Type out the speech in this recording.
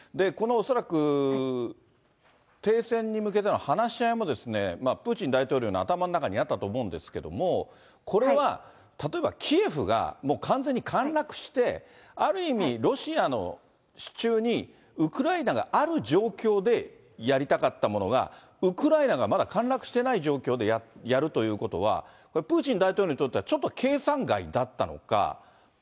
この恐らく停戦に向けての話し合いも、プーチン大統領の頭の中にあったと思うんですけれども、これは、例えばキエフが完全に陥落して、ある意味、ロシアの手中にウクライナがある状況でやりたかったものが、ウクライナがまだ陥落してない状況でやるということは、プーチン大統領にとっては、ちょっと計算外だったのか。